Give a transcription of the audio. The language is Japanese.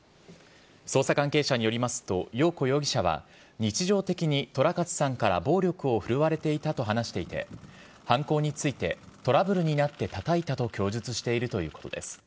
捜査関係者によりますとよう子容疑者は日常的に寅勝さんから暴力を振るわれていたと話していて犯行についてトラブルになってたたいたと供述しているということです。